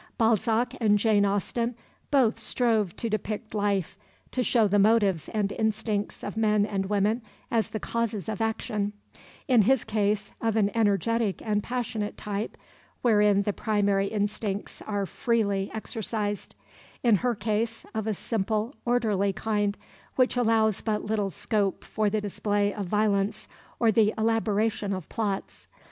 Balzac and Jane Austen both strove to depict life, to show the motives and instincts of men and women as the causes of action; in his case of an energetic and passionate type, wherein the primary instincts are freely exercised, in her case, of a simple, orderly kind, which allows but little scope for the display of violence or the elaboration of plots.